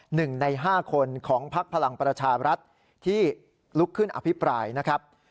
หนึ่งในห้าคนของพักพลังประชารัฐที่ลุกขึ้นอภิปรายนะครับ